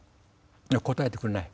答えてくれない。